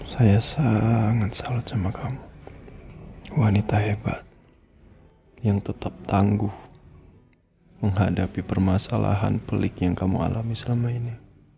saya sangat salut sama kamu wanita hebat yang tetap tangguh menghadapi permasalahan pelik yang kamu alami selama ini